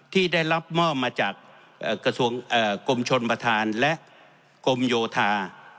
ที่ได้รับมอบมาจากกระทรวงกรมชนประธานและกรมโยธา